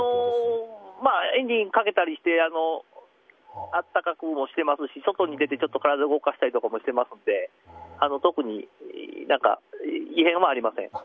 エンジンかけたりして暖かくもしていますし外に出て体を動かしたりもしてますので特に異変はありません。